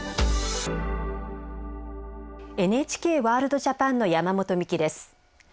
「ＮＨＫワールドＪＡＰＡＮ」の山本美希です。